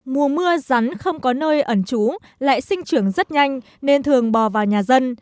mùa mưa rắn không có nơi ẩn trú lại sinh trưởng rất nhanh nên thường bò vào nhà dân